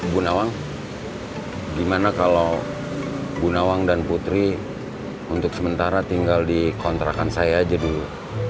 bu nawang gimana kalau bu nawang dan putri untuk sementara tinggal di kontrakan saya aja dulu